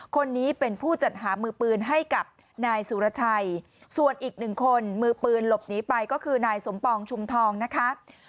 คนนี้เป็นผู้จัดหามือปืนให้กับนายสุรชัยส่วนอีกหนึ่งคนมือปืนหลบหนีไปก็คือนายสมปองชุมทองนะคะ